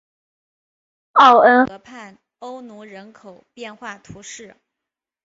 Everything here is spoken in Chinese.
奥恩河畔欧努人口变化图示